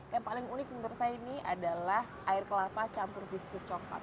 yang paling unik menurut saya ini adalah air kelapa campur biskuit coklat